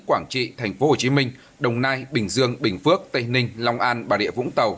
quảng trị tp hcm đồng nai bình dương bình phước tây ninh long an bà địa vũng tàu